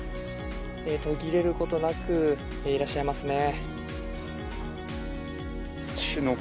途切れることなくいらっしゃいますね。